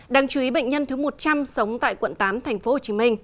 đáng chú ý bệnh nhân thứ một trăm linh sống tại quận tám tp hcm